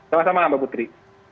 selamat malam mbak putri